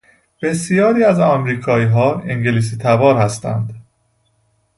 بسیاری از امریکاییها انگلیسیتبار هستند.